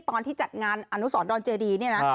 ตอนที่จัดงานอนุสรดอนเจดีเนี่ยนะ